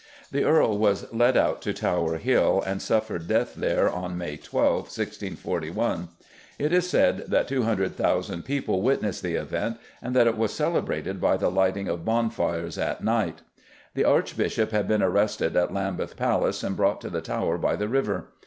The Earl was led out to Tower Hill and suffered death there on May 12, 1641. It is said that 200,000 people witnessed the event, and that it was celebrated by the lighting of bonfires at night. The Archbishop had been arrested at Lambeth Palace and brought to the Tower by the river.